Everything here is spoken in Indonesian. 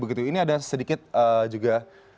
ini ada sedikit juga